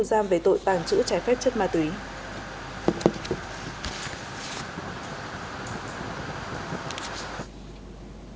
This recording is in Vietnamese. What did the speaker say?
nguyễn văn phong đã xác định một trong những đối tượng gây thương tích cho bản thân rồi bỏ chạy